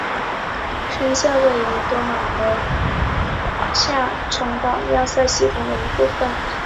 山下位于多瑙河和伊尔茨河汇流处的下城堡也是要塞系统的一部分。